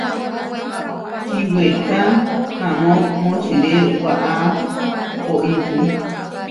Kíweká tamó močiré waʼá óipu.